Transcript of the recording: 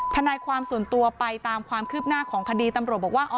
ทนายความส่วนตัวไปตามความคืบหน้าของคดีตำรวจบอกว่า